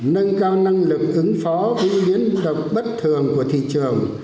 nâng cao năng lực ứng phó với biến động bất thường của thị trường